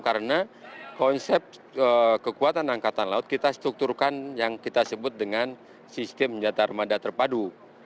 karena konsep kekuatan angkatan laut kita strukturkan yang kita sebut dengan sistem senjata armada terpadu